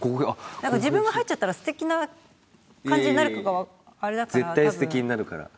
自分が入っちゃったら素敵な感じになるかがあれだから多分。